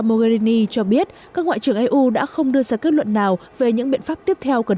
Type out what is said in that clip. mogherini cho biết các ngoại trưởng eu đã không đưa ra kết luận nào về những biện pháp tiếp theo cần